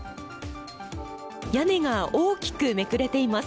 屋根が大きくめくれています。